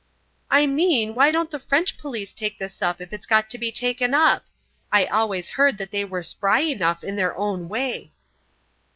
"I mean, why don't the French police take this up if it's got to be taken up? I always heard that they were spry enough in their own way."